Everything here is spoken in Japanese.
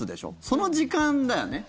その時間だよね。